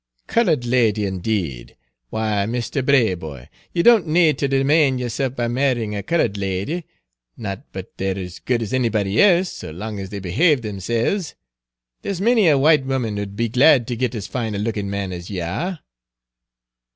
"Colored lady, indade! Why, Misther Braboy, ye don't nade ter demane yerself by marryin' a colored lady not but they're as good as anybody else, so long as they behave themselves. There 's many a white woman 'u'd be glad ter git as fine a lookin' man as ye are."